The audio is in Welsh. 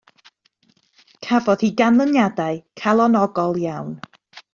Cafodd hi ganlyniadau calonogol iawn.